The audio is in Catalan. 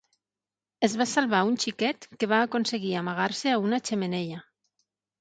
Es va salvar un xiquet que va aconseguir amagar-se a una xemeneia.